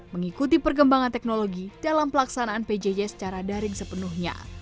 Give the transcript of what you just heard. mengikuti perkembangan teknologi dalam pelaksanaan pjj secara daring sepenuhnya